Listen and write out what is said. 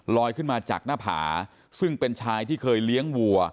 ขึ้นมาจากหน้าผาซึ่งเป็นชายที่เคยเลี้ยงวัว